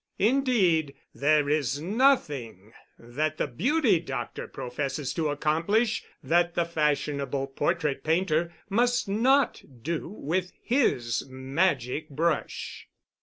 Indeed, there is nothing that the beauty doctor professes to accomplish that the fashionable portrait painter must not do with his magic brush.